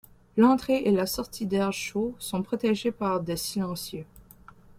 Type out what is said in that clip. L'entrée et la sortie d'air chaud sont protégées par des silencieux.